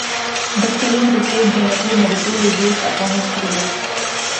The film received generally negative reviews upon its release.